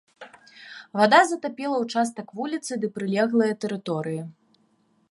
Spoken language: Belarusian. Вада затапіла ўчастак вуліцы ды прылеглыя тэрыторыі.